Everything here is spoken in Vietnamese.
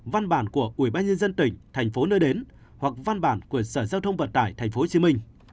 văn bản của ubnd tp hcm hoặc văn bản của sở giao thông vận tải tp hcm